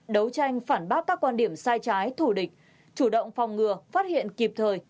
đấu tranh phản bác các quan điểm sai trái thù địch chủ động phòng ngừa phát hiện kịp thời